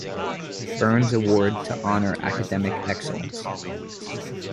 Burns Award to honor academic excellence.